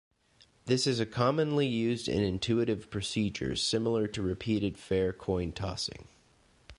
This is a commonly used and intuitive procedure, similar to repeated fair coin-tossing.